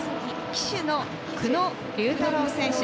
旗手の久野竜太郎選手